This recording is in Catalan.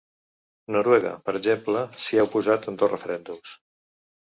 Noruega, per exemple, s’hi ha oposat en dos referèndums.